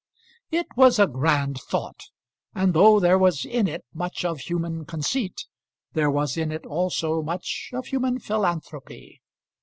It was a grand thought; and though there was in it much of human conceit, there was in it also much of human philanthropy.